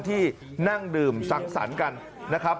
ที่นั่งดื่มซักษันกันนะครับ